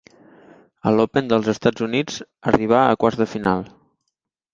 A l'Open dels Estats Units arribà a quarts de final.